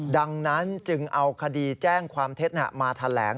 ดังนั้นจึงเอาคดีแจ้งความเท็จมาแถลง